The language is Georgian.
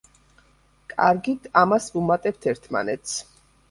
კარგით, ამას ვუმატებთ ერთმანეთს.